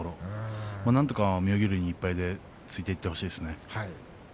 なんとか妙義龍に１敗でついていってほしいですね。